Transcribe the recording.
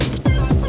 wah keren banget